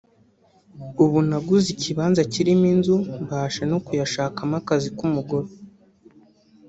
ubu naguze ikibanza kirimo inzu mbasha no kuyashakamo akazi k’umugore’’